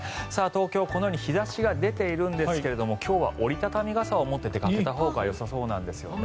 東京、このように日差しが出ているんですが今日は折り畳み傘を持って出かけたほうがよさそうなんですね。